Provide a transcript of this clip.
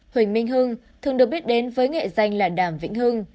huỳnh minh hưng thường được biết đến với nghệ danh là đàm vĩnh hưng